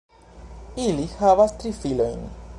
Ili havas tri filojn.